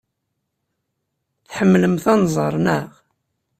Tḥemmlemt anẓar, naɣ?